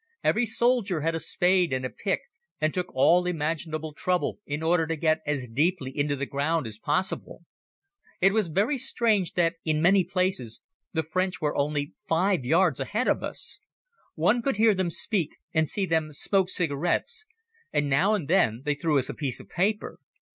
Every soldier had a spade and a pick and took all imaginable trouble in order to get as deeply into the ground as possible. It was very strange that in many places the French were only five yards ahead of us. One could hear them speak and see them smoke cigarettes and now and then they threw us a piece of paper.